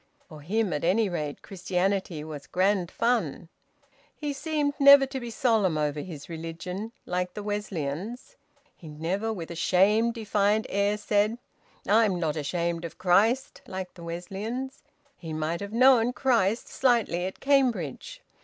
For him at any rate Christianity was grand fun. He seemed never to be solemn over his religion, like the Wesleyans. He never, with a shamed, defiant air, said, "I am not ashamed of Christ," like the Wesleyans. He might have known Christ slightly at Cambridge.